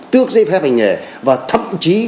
tước dưới phép hành nghề và thậm chí